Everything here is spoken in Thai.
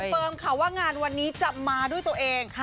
ซึ่งคิดว่างานวันนี้จะมาด้วยตัวเอง